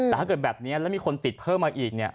แต่ถ้าเกิดแบบนี้แล้วมีคนติดเพิ่มมาอีกเนี่ย